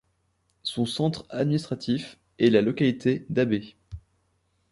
Son centre administratif est la localité d’Abay.